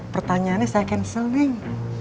pertanyaannya saya cancel neng